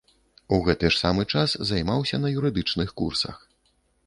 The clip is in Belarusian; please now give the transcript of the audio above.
У гэты ж самы час займаўся на юрыдычных курсах.